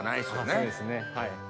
そうですねはい。